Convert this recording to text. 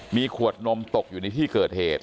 มีขวดนมตกอยู่ในที่เกิดเหตุ